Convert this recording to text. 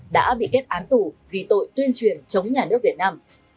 đã bị kết án tù vì tội tuyên truyền chống nhà nước việt nam